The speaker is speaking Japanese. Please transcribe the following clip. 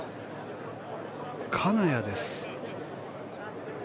金谷です。